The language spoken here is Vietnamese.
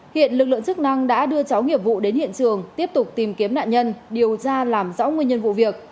hiện lực lượng chức năng đã đưa cháu nghiệp vụ đến hiện trường tiếp tục tìm kiếm nạn nhân điều tra làm rõ nguyên nhân vụ việc